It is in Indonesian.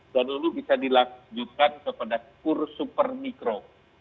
dan lalu bisa dilanjutkan kepada kur super mikro